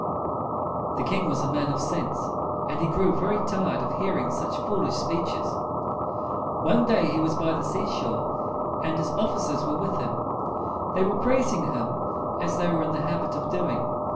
The king was a man of sense, and he grew very tired of hearing such foolish speeches. One day he was by the sea shore, and his of fi cers were with him. They were praising him, as they were in the habit of doing.